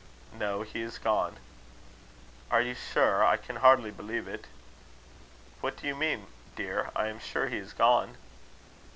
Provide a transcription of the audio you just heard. "No. He is gone." "Are you sure? I can hardly believe it." "What do you mean, dear? I am sure he is gone."